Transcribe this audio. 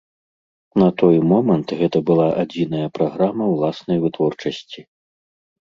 На той момант гэта была адзіная праграма ўласнай вытворчасці.